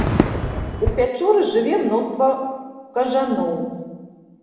У пячоры жыве мноства кажаноў.